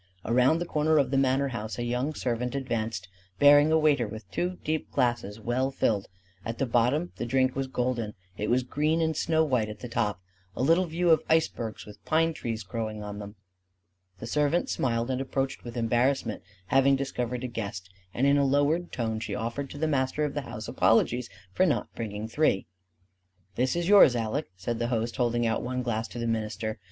Around the corner of the manor house a young servant advanced, bearing a waiter with two deep glasses well filled: at the bottom the drink was golden; it was green and snow white at the top: a little view of icebergs with pine trees growing on them. The servant smiled and approached with embarrassment, having discovered a guest; and in a lowered tone she offered to the master of the house apologies for not bringing three. "This is yours, Aleck," said the host, holding out one glass to the minister.